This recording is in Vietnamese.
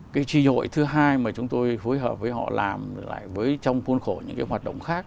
cái tri hội thứ hai mà chúng tôi phối hợp với họ làm lại với trong khuôn khổ những cái hoạt động khác